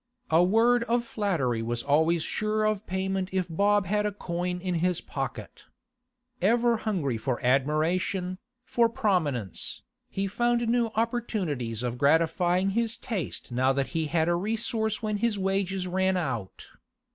A word of flattery was always sure of payment if Bob had a coin in his pocket. Ever hungry for admiration, for prominence, he found new opportunities of gratifying his taste now that he had a resource when his wages ran out.